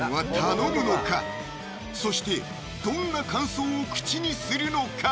そしてどんな感想を口にするのか？